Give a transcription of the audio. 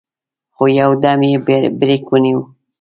خو يودم يې برېک ونيو.